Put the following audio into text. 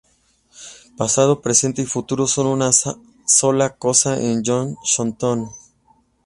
Pasado, presente y futuro son una sola cosa en Yog-Sothoth".